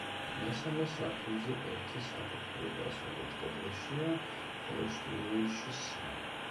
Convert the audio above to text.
მესამე სართულზე ერთი სათოფური დასავლეთ კედელშია, ხოლო ჩრდილოეთში სამი.